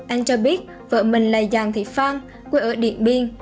anh cho biết vợ mình là giàng thị phan quê ở điện biên